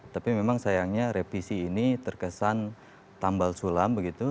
tapi memang sayangnya revisi ini terkesan tambal sulam begitu